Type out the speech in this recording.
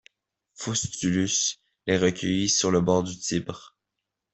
Faustulus les recueillit sur les bords du Tibre.